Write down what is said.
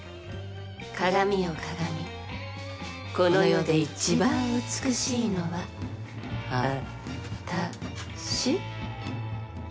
鏡よ鏡この世で一番美しいのはあたし。